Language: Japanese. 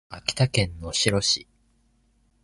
秋田県能代市